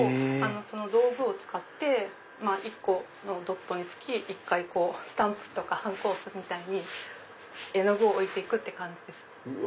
その道具を使って１個のドットにつき１回スタンプとかハンコを押すみたいに絵の具を置いていくって感じです。